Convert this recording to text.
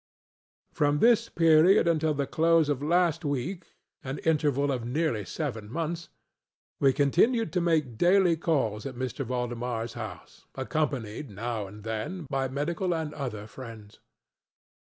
From this period until the close of last weekŌĆöan interval of nearly seven monthsŌĆöwe continued to make daily calls at M. ValdemarŌĆÖs house, accompanied, now and then, by medical and other friends.